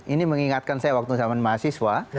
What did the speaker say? ini mengingatkan saya waktu zaman mahasiswa